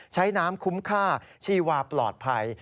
ใช้น้ำคุ้มค่าชีวาปลอดภัย